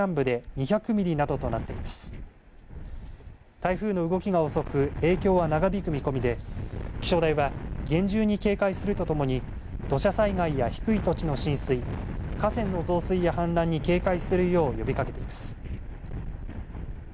台風の動きが遅く影響は長引く見込みで気象台は厳重に警戒するとともに土砂災害や低い土地の浸水、河川の増水や氾濫に警戒するよう呼びかけています。